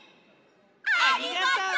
ありがとう！